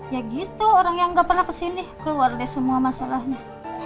ya gitu orang yang gak pernah kesini keluar deh semua masalahnya